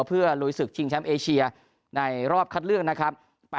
เพื่อลุยศึกชิงแชมป์เอเชียในรอบคัดเลือกนะครับ